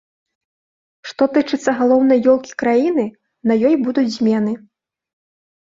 Што тычыцца галоўнай ёлкі краіны, на ёй будуць змены.